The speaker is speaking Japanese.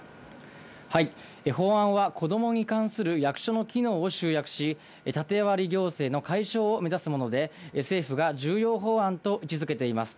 法案は子供に関する役所の機能を集約し、縦割り行政の解消を目指すもので、政府が重要法案と位置付けています。